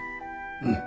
うん。